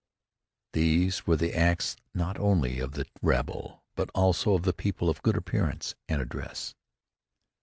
These were the acts not only of the rabble, but also of the people of good appearance and address.